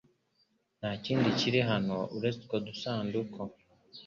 Nta kindi kiri hano uretse utwo dusanduku .